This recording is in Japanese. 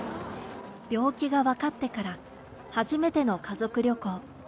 病気が分かってから、初めての家族旅行。